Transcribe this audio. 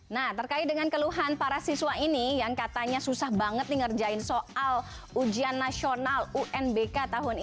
nah terkait dengan keluhan para siswa ini yang katanya susah banget nih ngerjain soal ujian nasional unbk tahun ini